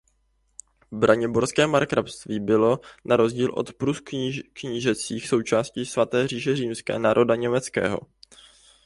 Braniborské markrabství bylo na rozdíl od Prus knížecích součástí Svaté říše římské národa německého.